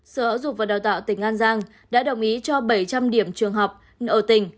sở giáo dục và đào tạo tỉnh an giang đã đồng ý cho bảy trăm linh điểm trường học ở tỉnh